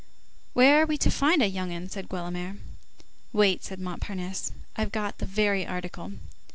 "Where are we to find a young 'un?" said Guelemer. "Wait," said Montparnasse. "I've got the very article."